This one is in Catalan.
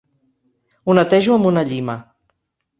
Ho netejo amb una llima.